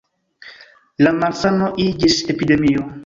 La malsano iĝis epidemio.